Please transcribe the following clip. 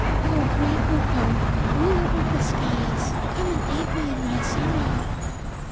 O great Ukko, ruler of the skies, come and aid me in my sorrow!'